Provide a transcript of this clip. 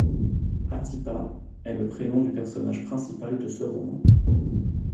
Atipa est le prénom du personnage principal de ce roman.